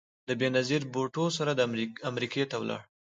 له بېنظیر بوټو سره امریکا ته ولاړ